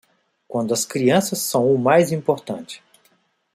Quando as crianças são o mais importante